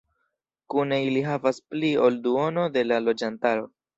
Kune ili havas pli ol duono de la loĝantaro.